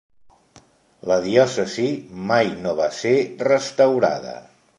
La diòcesi mai no va ser restaurada.